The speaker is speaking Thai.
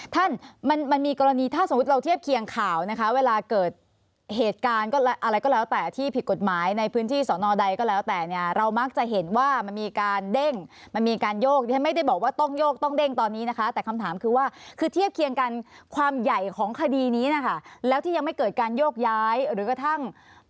ท่านมันมีกรณีถ้าสมมุติเราเทียบเคียงข่าวนะคะเวลาเกิดเหตุการณ์อะไรก็แล้วแต่ที่ผิดกฎหมายในพื้นที่สอนอใดก็แล้วแต่เนี่ยเรามักจะเห็นว่ามันมีการเด้งมันมีการโยกดิฉันไม่ได้บอกว่าต้องโยกต้องเด้งตอนนี้นะคะแต่คำถามคือว่าคือเทียบเคียงกันความใหญ่ของคดีนี้นะคะแล้วที่ยังไม่เกิดการโยกย้ายหรือกระทั่ง